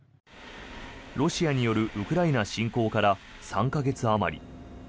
ロシアによるウクライナ侵攻から３か月あまり。